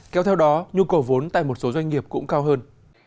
kéo theo đó nhu cầu vốn tại một số doanh nghiệp cũng cao hơn